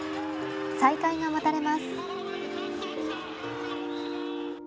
再開が待たれます。